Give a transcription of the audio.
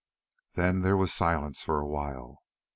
Then there was silence for a while.